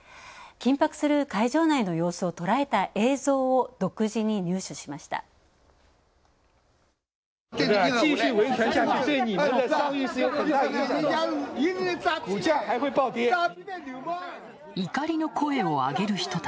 緊迫する会場内の様子を捉えた映像を独自に入手しました。